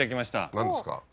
何ですか？